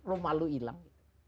rumah lu hilang